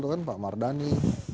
itu kan pak mardani